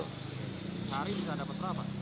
hari bisa dapat berapa